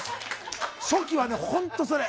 初期は本当にそれ。